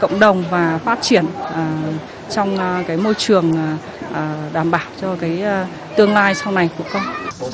cộng đồng và phát triển trong môi trường đảm bảo cho tương lai sau này của con